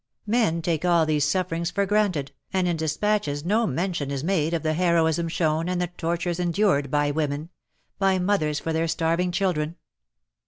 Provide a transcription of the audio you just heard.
Men take all these sufferings for granted, and in dispatches no mention is made of the heroism shown and the tortures endured by women — by mothers for their starving children.